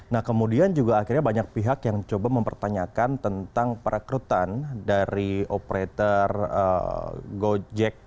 nah kemudian juga akhirnya banyak pihak yang coba mempertanyakan tentang perekrutan dari operator gojek